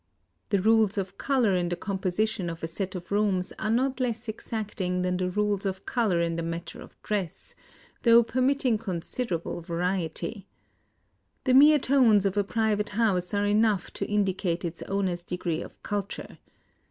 The rules of color in the composition of a set of rooms are not less exacting than the rules of color in the mat ter of dress, — though permitting considerable variety. The mere tones of a private house are enough to indicate its owner's degree of culture.